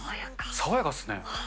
爽やかっすね。